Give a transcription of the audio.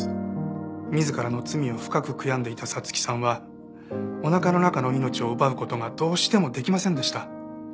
自らの罪を深く悔やんでいた彩月さんはおなかの中の命を奪う事がどうしてもできませんでした。